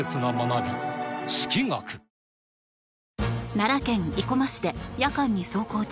奈良県生駒市で夜間に走行中